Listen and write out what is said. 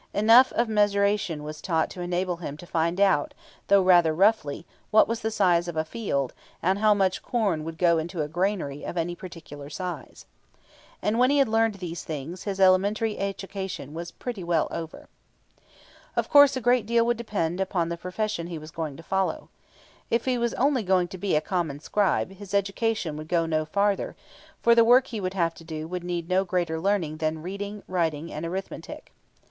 Enough of mensuration was taught him to enable him to find out, though rather roughly, what was the size of a field, and how much corn would go into a granary of any particular size. And when he had learned these things, his elementary education was pretty well over. [Illustration: Plate 7 NAVE OF THE TEMPLE AT KARNAK. Pages 75, 76] Of course a great deal would depend on the profession he was going to follow. If he was going to be only a common scribe, his education would go no farther; for the work he would have to do would need no greater learning than reading, writing, and arithmetic.